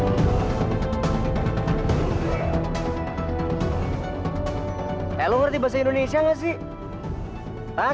udah berat badannya lemot pula